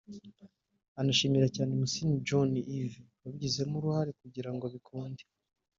anashimira cyane Mussine John Yves wabigizemo uruhare kugira ngo bikunde